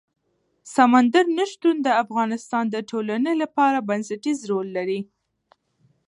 سمندر نه شتون د افغانستان د ټولنې لپاره بنسټيز رول لري.